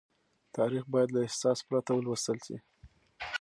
تاريخ بايد له احساس پرته ولوستل شي.